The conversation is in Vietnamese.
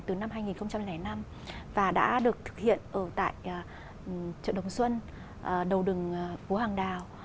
từ năm hai nghìn năm và đã được thực hiện ở tại chợ đồng xuân đầu đường phố hàng đào